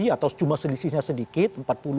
atau cuma selisihnya sedikit